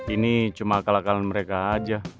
ini cuma kalakalan mereka aja